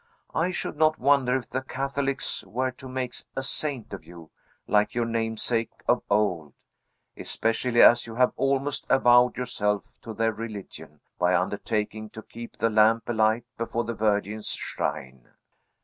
I should not wonder if the Catholics were to make a saint of you, like your namesake of old; especially as you have almost avowed yourself of their religion, by undertaking to keep the lamp alight before the Virgin's shrine."